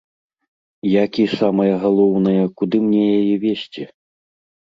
Як і, самае галоўнае, куды мне яе везці?